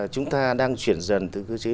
chúng ta đang chuyển dần từ cơ chế